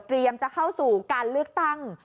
จะเข้าสู่การเลือกตั้ง